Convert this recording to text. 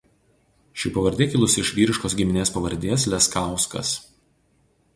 Ši pavardė kilusi iš vyriškos giminės pavardės Leskauskas.